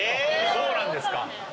そうなんですか。